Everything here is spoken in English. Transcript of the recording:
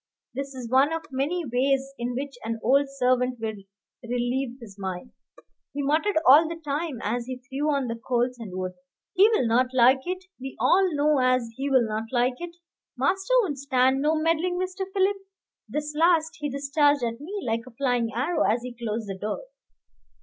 This is one of many ways in which an old servant will relieve his mind. He muttered all the time as he threw on the coals and wood. "He'll not like it, we all know as he'll not like it. Master won't stand no meddling, Mr. Philip," this last he discharged at me like a flying arrow as he closed the door.